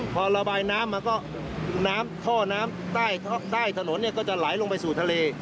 พอระบายน้ำก็ท่อน้ำใต้ถนนก็จะไหลลงไปสู่ทะเล